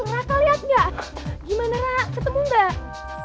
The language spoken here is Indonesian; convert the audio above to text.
raka lihat gak gimana raka ketemu gak